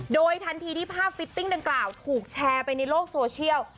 โดยทันทีที่ภาพฟิตติ้งดังกล่าวถูกแชร์ไปในโลกโซเชียล